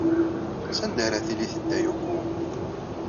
Sanda ara tili tedda Yoko?